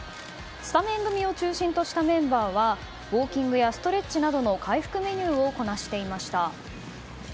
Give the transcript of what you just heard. スタメン組を中心としたメンバーはウォーキングやストレッチなどの回復メニューをこなしていました。